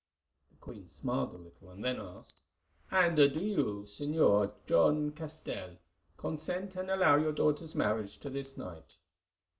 The queen smiled a little, then asked: "And do you, Señor John Castell, consent and allow your daughter's marriage to this knight?"